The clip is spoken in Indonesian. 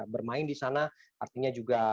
bermain di sana artinya juga